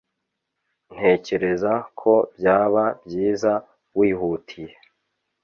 Ntekereza ko byaba byiza wihutiye